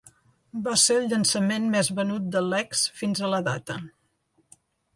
Va ser el llançament més venut de Lex fins a la data.